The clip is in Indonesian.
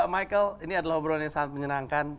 michael ini adalah obrolan yang sangat menyenangkan